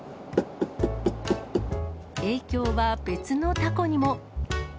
影響は別のタコにも。